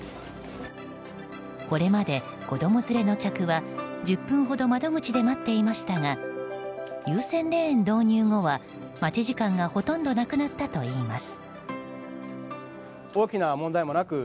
これまで、子供連れの客は１０分ほど窓口で待っていましたが優先レーン導入後は、待ち時間がほとんどなくなったといいます。